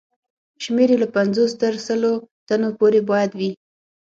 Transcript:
شمېر یې له پنځوس تر سلو تنو پورې باید وي.